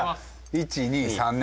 １２３ね